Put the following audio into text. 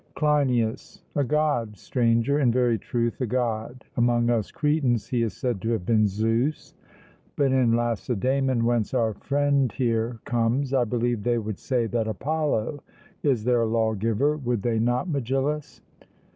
CLEINIAS: A God, Stranger; in very truth a God: among us Cretans he is said to have been Zeus, but in Lacedaemon, whence our friend here comes, I believe they would say that Apollo is their lawgiver: would they not, Megillus?